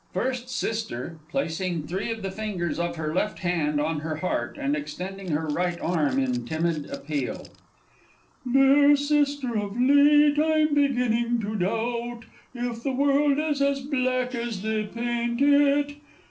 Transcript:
_ First Sister (placing three of the fingers of her left hand on her heart, and extending her right arm in timid appeal). Dear sister, of late I'm beginning to doubt If the world is as black as they paint it.